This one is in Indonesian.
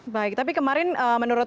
baik tapi kemarin menurut